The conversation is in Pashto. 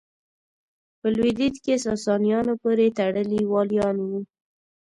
په لوېدیځ کې ساسانیانو پوره تړلي والیان وو.